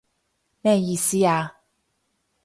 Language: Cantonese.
咩意思啊？